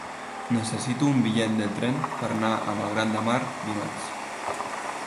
Necessito un bitllet de tren per anar a Malgrat de Mar dimarts.